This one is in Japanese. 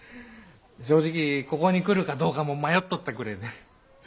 正直ここに来るかどうかも迷っとったくれえで。